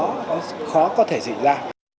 nó khó có thể diễn ra